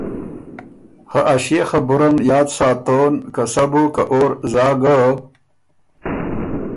خه ا ݭيې خبُره م یاد ساتون که سَۀ بُو که اور زا ګۀ،